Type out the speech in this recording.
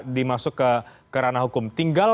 dimasuk ke ranah hukum tinggal